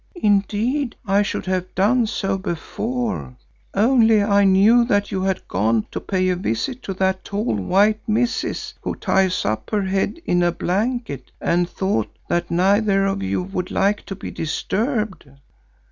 "Indeed I should have done so before, only I knew that you had gone to pay a visit to that tall white 'Missis' who ties up her head in a blanket, and thought that neither of you would like to be disturbed."